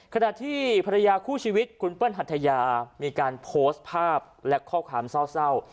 ขณะที่ภรรยาคู่ชีวิตคุณเปิ้ลหัทยามีการโพสต์ภาพและข้อความเศร้า